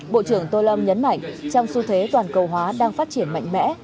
bộ trưởng tô lâm nhấn mạnh trong xu thế toàn cầu hóa đang phát triển mạnh mẽ